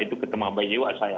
itu ketemu bayi jiwa saya